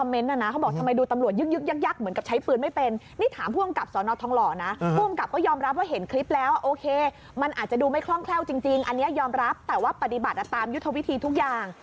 อันนี้มันอาจจะดูไม่คล่องแคล่วจริงอันนี้ยอมรับแต่ว่าปฏิบัติตามยุทธวิธีทุกอย่าง